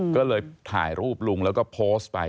ก็เลยถ่ายรูปลุงแล้วก็โพสต์ไป